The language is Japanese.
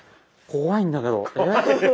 怖いんだけど。